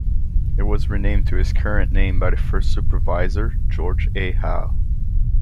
It was renamed to its current name by the first supervisor, George A. Howe.